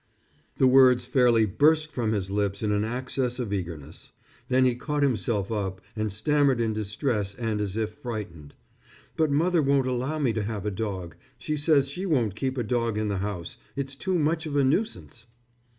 The words fairly burst from his lips in an access of eagerness. Then he caught himself up and stammered in distress and as if frightened: "But mother won't allow me to have a dog. She says she won't keep a dog in the house. It's too much of a nuisance."